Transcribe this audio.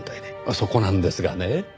そこなんですがね。